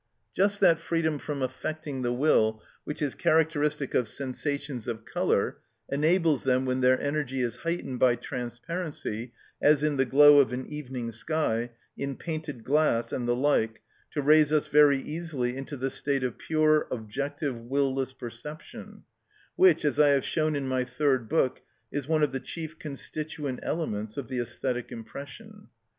Just that freedom from affecting the will which is characteristic of sensations of colour enables them, when their energy is heightened by transparency, as in the glow of an evening sky, in painted glass, and the like, to raise us very easily into the state of pure objective will less perception, which, as I have shown in my third book, is one of the chief constituent elements of the æsthetic impression.